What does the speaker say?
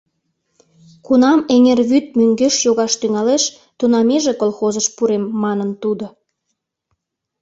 — Кунам эҥер вӱд мӧҥгеш йогаш тӱҥалеш, тунам иже колхозыш пурем, — манын тудо.